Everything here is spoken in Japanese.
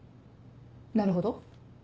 なるほど。